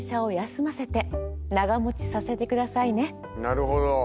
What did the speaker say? なるほど。